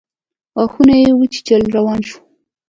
غاښونه يې وچيچل روان شو.